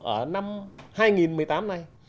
ở năm hai nghìn một mươi tám này